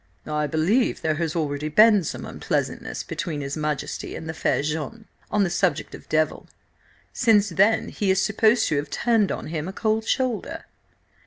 "I believe there has already been some unpleasantness between his Majesty and the fair Jeanne on the subject of Devil. Since then she is supposed to have turned on him a cold shoulder."